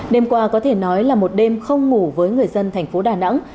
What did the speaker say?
đêm qua có thể nói là một đêm không ngủ với người dân thành phố đà nẵng